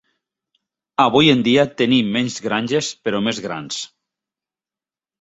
Avui en dia, tenim menys granges, però més grans.